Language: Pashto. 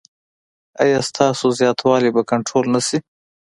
ایا ستاسو زیاتوالی به کنټرول نه شي؟